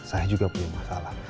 saya juga punya masalah